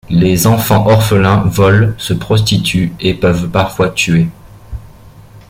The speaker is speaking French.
Les enfants orphelins volent, se prostituent et peuvent parfois tuer.